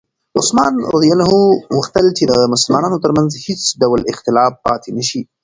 عثمان رض غوښتل چې د مسلمانانو ترمنځ هېڅ ډول اختلاف پاتې نه شي.